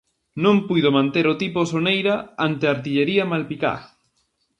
Non puido manter o tipo o Soneira ante a artillería malpicá.